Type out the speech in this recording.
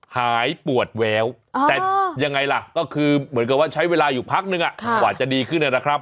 หายปวดแววแต่ยังไงล่ะก็คือเหมือนกับว่าใช้เวลาอยู่พักนึงกว่าจะดีขึ้นนะครับ